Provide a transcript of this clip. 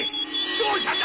どうしたんだ！